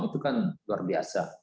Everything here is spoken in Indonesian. itu kan luar biasa